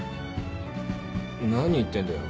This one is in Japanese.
何言ってんだよ。